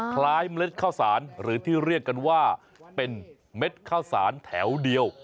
คล้ายเมล็ดข้าวสารหรือที่เรียกกันว่าเป็นเม็ดข้าวสารแถวเดียว